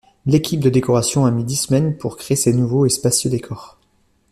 L'équipe de décoration a mis dix semaines pour créer ces nouveaux et spacieux décors.